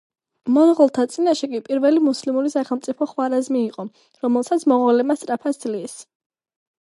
მონღოლთა წინაშე კი პირველი მუსლიმური სახელმწიფო ხვარაზმი იყო, რომელსაც მონღოლებმა სწრაფად სძლიეს.